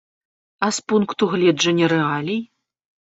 А з пункту гледжання рэалій?